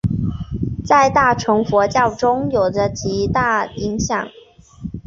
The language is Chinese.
在大乘佛教中有着极大影响。